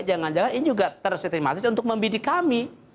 jangan jangan ini juga tersitematis untuk membidik kami